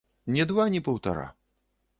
Ні два ні паўтара.